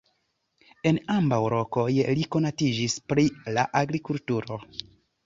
En ambaŭ lokoj li konatiĝis pri la agrikulturo.